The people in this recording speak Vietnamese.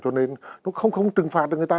cho nên nó không trừng phạt được người ta